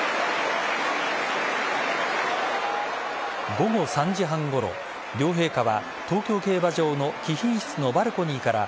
午後３時半ごろ、両陛下は東京競馬場の貴賓室のバルコニーから